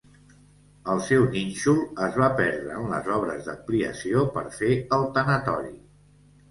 El seu nínxol es va perdre en les obres d'ampliació per fer el tanatori.